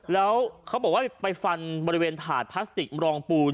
แล้วเขาบอกว่าไปฟันบริเวณถาดพลาสติกรองปูน